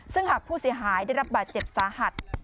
ซึ่งหากผู้เสียหายได้รับบาดเจ็บสาหัส